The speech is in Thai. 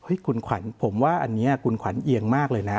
คุณขวัญผมว่าอันนี้คุณขวัญเอียงมากเลยนะ